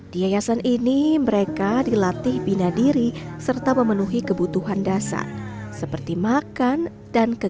di yayasan ini mereka dilatih bina diri serta memenuhi kebutuhan dasar seperti makan dan kegiatan